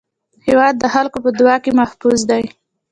هېواد د خلکو په دعا کې محفوظ دی.